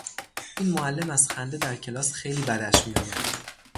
این معلم از خنده در کلاس خیلی بدش میآید.